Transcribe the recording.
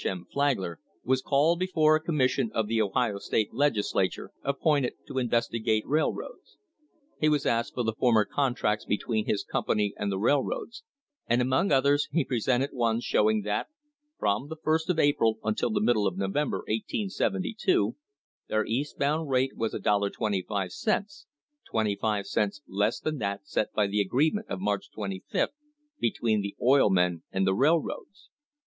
M. Flagler, was called before a commission of the Ohio State Legislature appointed to investigate railroads. He was asked for the former contracts between his company and the railroads, and among others he presented one showing that from "the first of April until the middle of November, 1872," their East bound rate was $1.25, twenty five cents less than that set by the agreement of March 25th, between the oil men and the railroads.